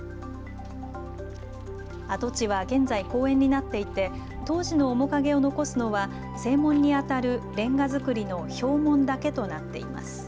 跡地は現在、公園になっていて当時の面影を残すのは正門に当たるレンガ造りの表門だけとなっています。